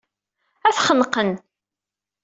Ad t-xenqen.